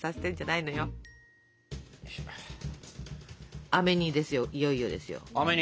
いよいよですよ。あめ煮！